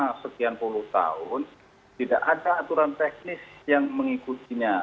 selama sekian puluh tahun tidak ada aturan teknis yang mengikutinya